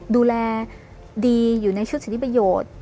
ดูแลดีอยู่ในชุดสิทธิประโยชน์